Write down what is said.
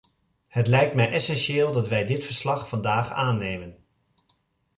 Het lijkt mij essentieel dat wij dit verslag vandaag aannemen.